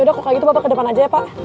udah kayak gitu bapak ke depan aja ya pak